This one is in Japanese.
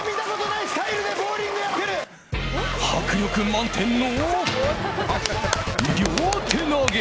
迫力満点の両手投げ。